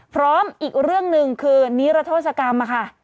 พร้อมอีกเรื่องหนึ่งคือนิรโทษกรรมค่ะ